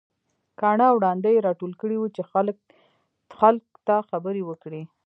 کاڼه او ړانده يې راټول کړي وو چې خلک ته خبرې وکړي.